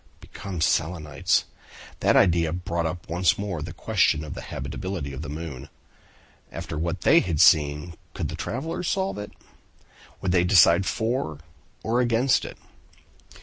Become Selenites! That idea brought up once more the question of the habitability of the moon. After what they had seen, could the travelers solve it? Would they decide for or against it?